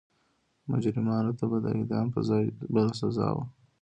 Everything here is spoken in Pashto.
مجرمانو ته به د اعدام پر ځای بله سزا وه.